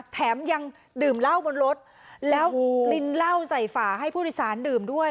แถมยังดื่มเหล้าบนรถแล้วลินเหล้าใส่ฝาให้ผู้โดยสารดื่มด้วย